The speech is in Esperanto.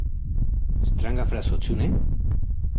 Stranga frazo, ĉu ne?